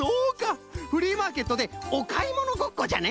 フリーマーケットでおかいものごっこじゃね！？